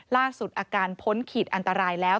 อาการพ้นขีดอันตรายแล้ว